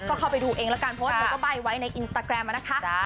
ก็เข้าไปดูเองแล้วกันเพราะว่าเธอก็ใบ้ไว้ในอินสตาแกรมนะคะ